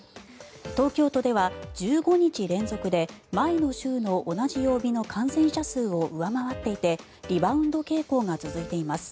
東京都では１５日連続で前の週の同じ曜日の感染者数を上回っていてリバウンド傾向が続いています。